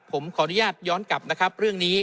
ผมขออนุญาตย้อนกลับนะครับเรื่องนี้